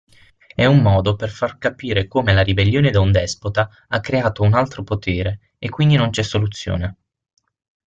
È un modo per far capire come la ribellione da un despota ha creato un altro potere e quindi non c'è soluzione.